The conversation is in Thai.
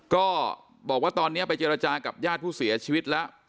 ก็บอกว่าตอนนี้ไปเจรจากับญาติผู้เสียชีวิตแล้ว